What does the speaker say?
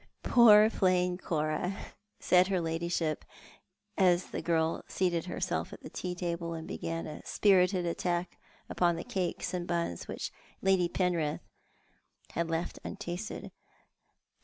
" Poor plain Cora," said her ladyship, as the girl seated her self at the tea table and began a spirited attack upon the cakes and buns which Lady Penrith had left untasted.